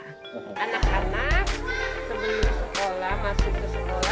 anak anak sebelum sekolah masuk ke sekolah datang ke sekolah pulang ke sekolah